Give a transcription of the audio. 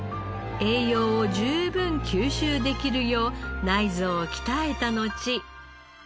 栄養を十分吸収できるよう内臓を鍛えたのち。